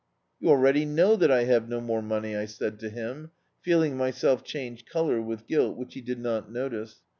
"You already know that I have no more money," I said to him, feeling myself change colour with guilt, which he did not notice.